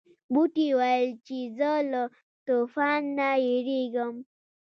بوټي ویل چې زه له طوفان نه یریږم.